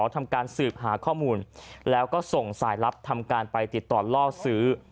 ทำการสืบหาข้อมูลแล้วก็ส่งสายลับทำการไปติดต่อล่อซื้อ